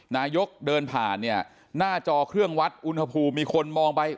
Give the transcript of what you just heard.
นายกเดินผ่านเนี่ยหน้าจอเครื่องวัดอุณหภูมิมีคนมองไป